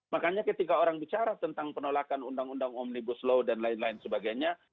makanya ketika orang bicara tentang penolakan undang undang omnibus law dan lain lain sebagainya